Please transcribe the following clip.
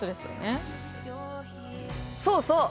そうそう。